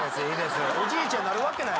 おじいちゃんなるわけない。